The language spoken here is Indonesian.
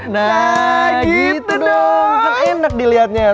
nah gitu dong enak dilihatnya ya